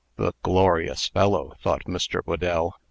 "The glorious fellow!" thought Mr. Whedell.